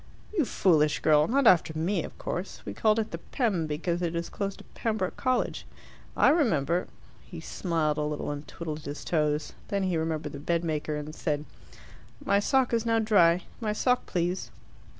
"You foolish girl, not after me, of course. We called it the 'Pem' because it is close to Pembroke College. I remember " He smiled a little, and twiddled his toes. Then he remembered the bedmaker, and said, "My sock is now dry. My sock, please."